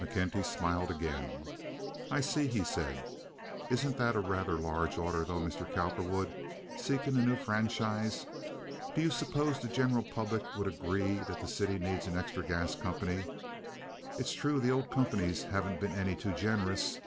McKenty smiled again. "I see," he said. "Isn't that a rather large order, though, Mr. Cowperwood, seeking a new franchise? Do you suppose the general public would agree that the city needs an extra gas company? It's true the old companies haven't been any too generous.